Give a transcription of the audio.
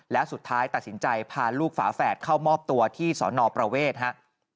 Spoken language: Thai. แล้วสุดท้ายตัดสินใจพาลูกฝาแฝดเข้ามอบตัวที่สอนอประเวทฮะ